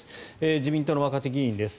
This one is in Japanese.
自民党の若手議員です。